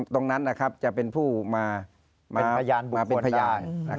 ตรงนั้นจะเป็นผู้มาเป็นพยาน